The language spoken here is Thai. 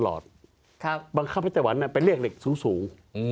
และคำไต้หวันและไปเรียกเหล็กสูง